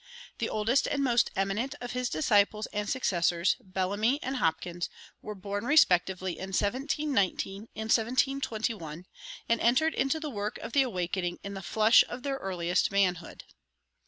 The oldest and most eminent of his disciples and successors, Bellamy and Hopkins, were born respectively in 1719 and 1721, and entered into the work of the Awakening in the flush of their earliest manhood.